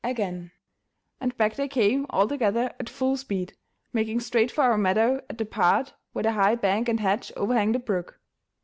again, and back they came all together at full speed, making straight for our meadow at the part where the high bank and hedge overhang the brook.